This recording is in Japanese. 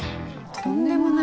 とんでもない？